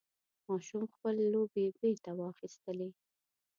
ماشوم خپل لوبعې بېرته واخیستلې.